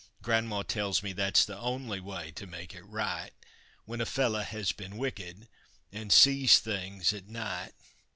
Gran'ma tells me that's the only way to make it right When a feller has been wicked an' sees things at night!